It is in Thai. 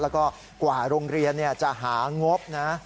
แล้วก็กว่าโรงเรียนจะหางบนะ